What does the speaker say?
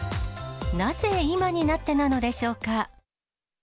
なぜ今になってなのでしょうか。